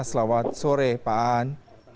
selamat sore pak an